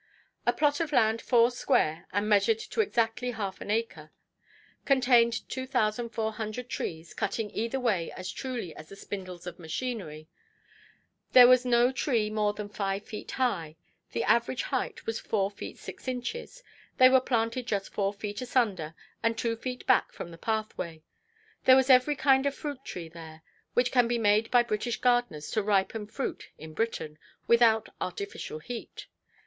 A plot of land four–square, and measured to exactly half an acre, contained 2400 trees, cutting either way as truly as the spindles of machinery; there was no tree more than five feet high, the average height was four feet six inches. They were planted just four feet asunder, and two feet back from the pathway. There was every kind of fruit–tree there, which can be made by British gardeners to ripen fruit in Britain, without artificial heat.